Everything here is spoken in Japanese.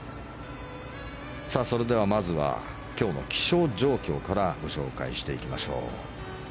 それではまずは今日の気象状況からお伝えしていきましょう。